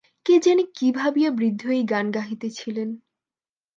কে জানে কী ভাবিয়া বৃদ্ধ এই গান গাহিতেছিলেন।